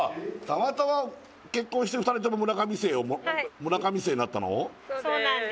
たまたま結婚して２人とも村上姓になったの？